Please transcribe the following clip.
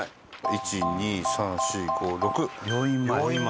１２３４５６。